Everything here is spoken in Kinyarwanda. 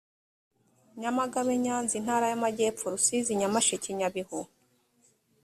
nyamagabe nyanza intara y amajyepfo rusizi nyamasheke nyabihu